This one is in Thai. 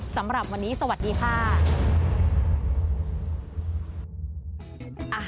สำหรับวันนี้สวัสดีค่ะ